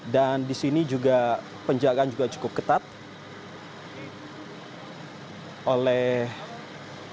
dan di sini juga penjagaan cukup ketat oleh para petugas